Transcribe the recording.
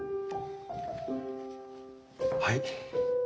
はい。